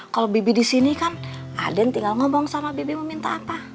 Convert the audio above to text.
kalau bibi di sini kan aden tinggal ngomong sama bibi meminta apa